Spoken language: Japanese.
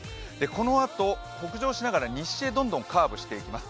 このあと北上しながら西へどんどんカーブしていきます。